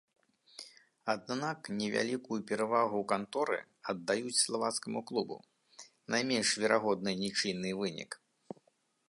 Аднак невялікую перавагу канторы аддаюць славацкаму клубу, найменш верагодны нічыйны вынік.